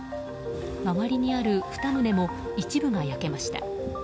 周りにある２棟も一部が焼けました。